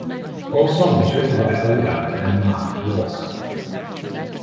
All songs written by Ogre and Mark Walk.